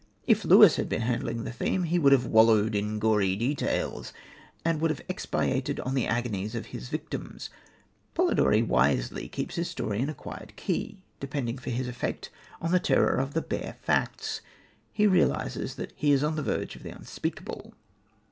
If Lewis had been handling the theme he would have wallowed in gory details, and would have expatiated on the agonies of his victims. Polidori wisely keeps his story in a quiet key, depending for his effect on the terror of the bare facts. He realises that he is on the verge of the unspeakable.